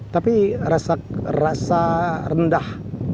tapi rasa rendah